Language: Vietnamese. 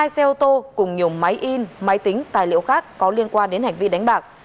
hai xe ô tô cùng nhiều máy in máy tính tài liệu khác có liên quan đến hành vi đánh bạc